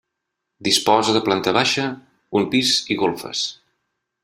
Disposa de planta baixa, un pis i golfes.